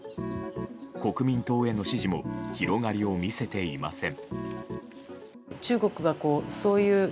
国民党への支持も広がりを見せていません。